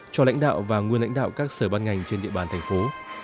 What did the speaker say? cho lãnh đạo và nguyên lãnh đạo các sở ban ngành trên địa bàn thành phố